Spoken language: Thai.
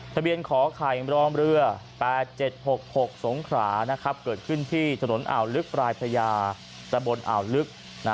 ทะเบียนขอไขร้องเรือ๘๗๖๖สงขรานะครับเกิดขึ้นที่ถนนอ่าวลึกปรายพระยาสะบนอ่าวลึกนะ